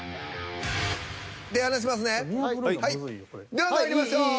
ではまいりましょう。